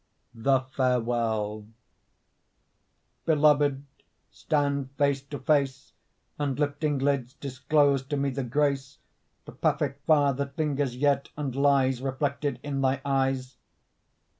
THE FAREWELL Beloved, stand face to face, And, lifting lids, disclose to me the grace, The Paphic fire that lingers yet and lies Reflected in thy eyes.